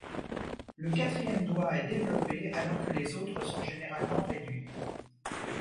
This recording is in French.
Le quatrième doigt est développé alors que les autres sont généralement réduits.